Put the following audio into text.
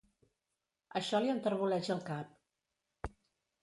Això li enterboleix el cap.